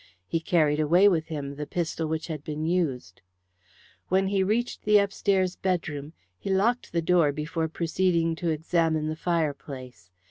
He carried away with him the pistol which had been used. When he reached the upstairs bedroom he locked the door before proceeding to examine the fireplace.